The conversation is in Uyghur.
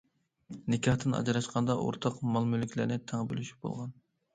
نىكاھتىن ئاجراشقاندا ئورتاق مال- مۈلۈكلەرنى تەڭ بۆلۈشۈپ بولغان.